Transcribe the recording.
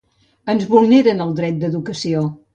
Ens vulneren el dret d’educació.